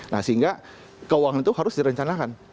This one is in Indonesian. nah sehingga keuangan itu harus direncanakan